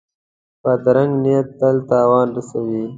بدرنګه نیت تل تاوان رسوي